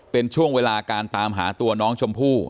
เป็นช่วงเวลาการตามหาตัวน้องชมพู่